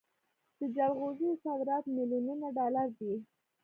د جلغوزیو صادرات میلیونونه ډالر دي.